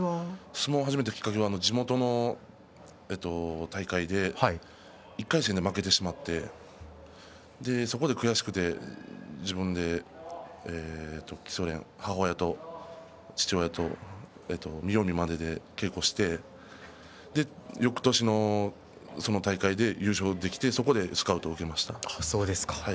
相撲を始めたきっかけは地元の大会で１回戦で負けてしまって、そこで悔しくて自分で母親と父親と見よう見まねで稽古してよくとしのその大会で優勝できてそこでスカウトを受けました。